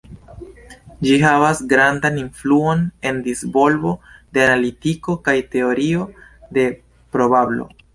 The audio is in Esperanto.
Ĝi havas grandan influon en disvolvo de Analitiko kaj Teorio de probablo.